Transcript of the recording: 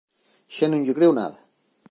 Xa non lle creo nada.